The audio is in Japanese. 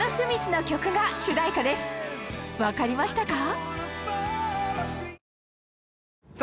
わかりましたか？